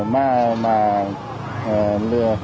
mà chúng tôi sử dụng